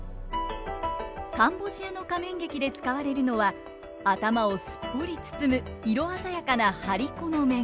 カンボジアの仮面劇で使われるのは頭をすっぽり包む色鮮やかな張り子の面。